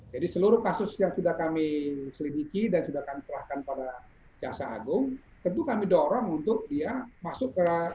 jadi seluruh kasus yang sudah kami selidiki dan sudah kami perahkan pada jasa agung tentu kami dorong untuk dia masuk ke residen